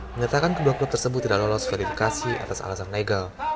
menyatakan kedua klub tersebut tidak lolos verifikasi atas alasan legal